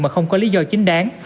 mà không có lý do chính đáng